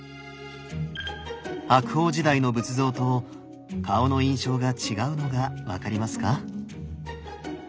白鳳時代の仏像と顔の印象が違うのが分かりますか？